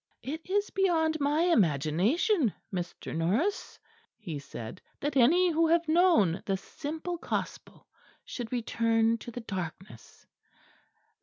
"It is beyond my imagination. Mr. Norris," he said, "that any who have known the simple Gospel should return to the darkness.